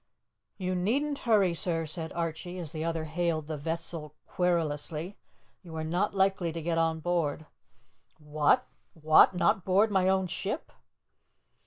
"You needn't hurry, sir," said Archie, as the other hailed the vessel querulously; "you are not likely to get on board?" "What? what? Not board my own ship?"